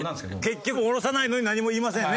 結局下ろさないのに何も言いませんね。